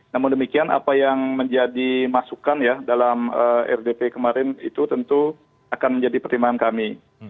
namun demikian apa yang menjadi masukan ya dalam rdp kemarin itu tentu akan menjadi pertimbangan kami